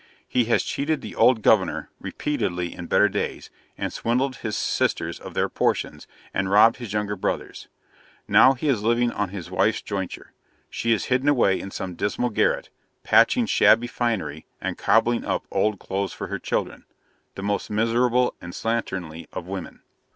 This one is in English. He has cheated the old 'governor' repeatedly in better days, and swindled his sisters of their portions, and robbed his younger brothers. Now he is living on his wife's jointure: she is hidden away in some dismal garret, patching shabby finery and cobbling up old clothes for her children the most miserable and slatternly of women.